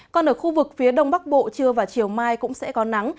còn ở khu vực phía đông bắc bộ trưa và chiều mai cũng sẽ có nắng